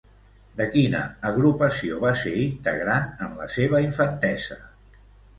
De quina agrupació va ser integrant, en la seva infantesa?